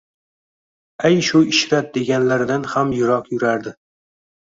Ayshu-ishrat deganlaridan ham yiroq yurardi